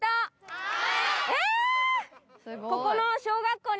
はい。